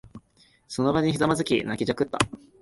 その場にひざまずき、泣きじゃくった。